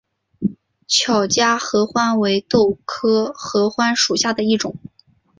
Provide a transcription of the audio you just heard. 巧家合欢为豆科合欢属下的一个种。